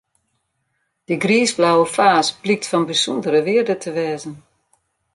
Dy griisblauwe faas blykt fan bysûndere wearde te wêze.